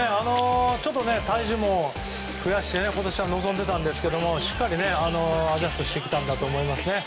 体重も増やして今年は臨んでいたんですがしっかりアジャストしてきたんだと思いますね。